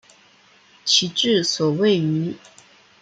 其治所位于。